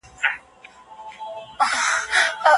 د خوړو نېټه وګوره